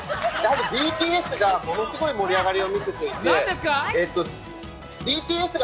ＢＴＳがものすごい盛り上がりを見せていて。